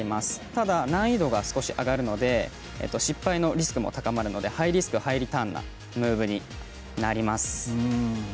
ただ、難易度が少し上がるので失敗のリスクも高まるのでハイリスク、ハイリターンなムーブになります。